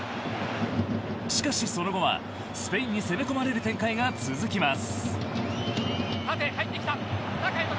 しかし、その後はスペインに攻め込まれる展開が続きます。